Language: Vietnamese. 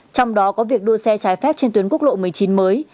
trong đó có việc đua xe trái phép trên tuyến quốc lộ một mươi chín mới